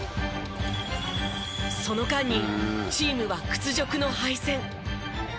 その間にチームは屈辱の敗戦。